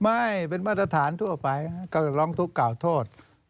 ไม่เป็นมาตรฐานทั่วไปก็ร้องทุกข์กล่าวโทษ